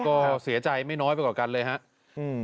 ก็เสียใจไม่น้อยไปกว่ากันเลยครับ